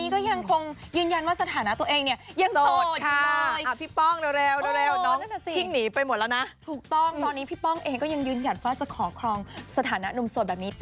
ก็ถ้าเขาเชิญก็ไปอยู่แล้วแหละครับผู้เล่น